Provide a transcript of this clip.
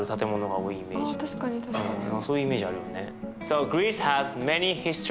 そういうイメージあるよね。